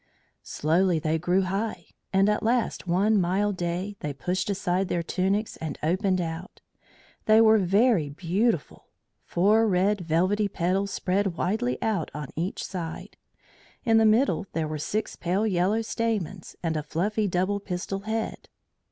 Slowly they grew high, and at last one mild day they pushed aside their tunics and opened out. They were very beautiful; four red velvety petals spread widely out on each side; in the middle there were six pale yellow stamens and a fluffy double pistil head.